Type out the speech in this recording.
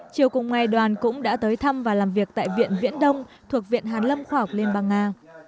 chiều cùng ngày đoàn cũng đã tới thăm và làm việc tại viện viễn đông thuộc viện hàn lâm khoa học liên bang nga